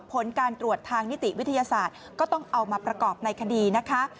ผลการตรวจทางนิติวิทยาศาสตร์ก็ต้องเอามาประกอบในคดีนะคะ